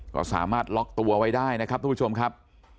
ก็สามารถล็อกตัวไว้ได้นะครับทุกผู้ชมครับ